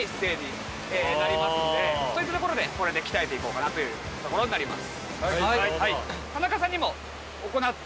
そういったところでこれで鍛えていこうかなというところになります